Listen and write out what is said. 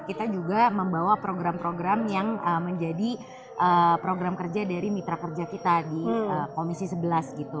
kita juga membawa program program yang menjadi program kerja dari mitra kerja kita di komisi sebelas gitu